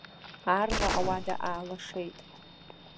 Аарла ауада аалашеит.